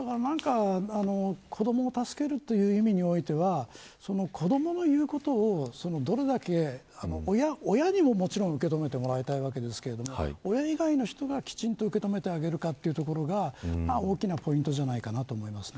子どもを助けるという意味においては子どもの言うことをどれだけ、親にももちろん受け止めてもらいたいわけですけど親以外の人がきちんと受け止めてあげるというところが大きなポイントじゃないかなと思います。